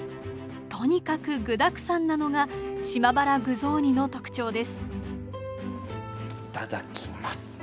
とにかく具だくさんなのが鳥原具雑煮の特徴です。